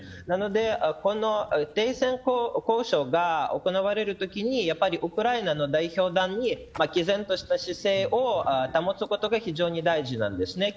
なので停戦交渉が行われるときにやっぱりウクライナの代表団にき然とした姿勢を保つことが非常に大事なんです。